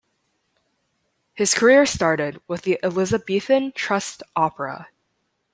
His career started with the Elizabethan Trust Opera.